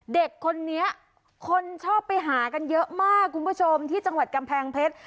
เด็กคนนี้คนชอบไปหากันเยอะมากคุณผู้ชมที่จังหวัดกำแพงเพชร